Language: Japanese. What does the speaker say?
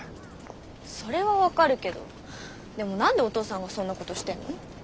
それは分かるけどでも何でお父さんがそんなことしてんの？